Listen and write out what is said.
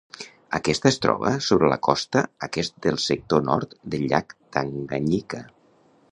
Aquesta es troba sobre la costa aquest del sector nord del llac Tanganyika.